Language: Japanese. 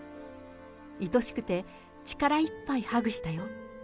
愛しくて力いっぱいハグしたよ。